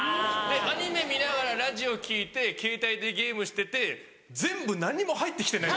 アニメ見ながらラジオ聴いてケータイでゲームしてて全部何も入って来てない。